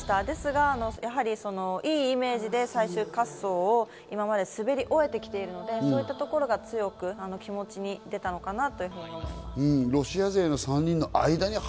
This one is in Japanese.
ですが、いいイメージで最終滑走を今まで滑り終えてきているので、そういったところが強く、気持ちに出たのかなと思います。